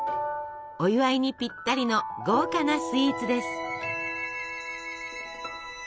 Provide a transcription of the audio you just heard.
お祝いにぴったりの豪華なスイーツです。